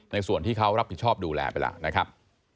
ส่วนที่เขารับผิดชอบดูแลไปแล้วนะครับ